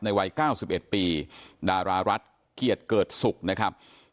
วัย๙๑ปีดารารัฐเกียรติเกิดศุกร์นะครับ